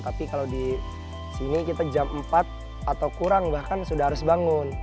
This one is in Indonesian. tapi kalau di sini kita jam empat atau kurang bahkan sudah harus bangun